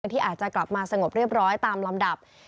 ที่อาจจะกลับมาสงบเรียบร้อยตามลำดับ